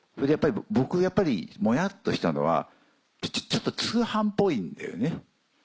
僕やっぱりモヤっとしたのはちょっと通販っぽいんだよね。